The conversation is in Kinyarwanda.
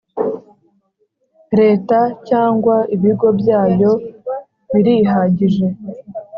Leta cyangwa ibigo byayo birihagije